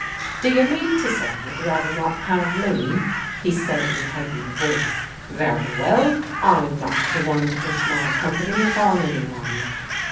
" Do you mean to say you'd rather not have me ?" he said with heightened voice. " Very well, I'm not the one to push my company upon any one."